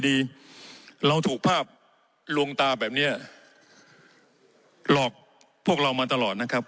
เราถูกภาพลวงตาแบบเนี้ยหลอกพวกเรามาตลอดนะครับ